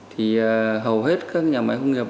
thì hầu hết các nhà máy công nghiệp